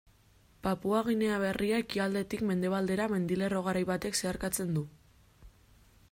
Papua Ginea Berria ekialdetik mendebaldera mendilerro garai batek zeharkatzen du.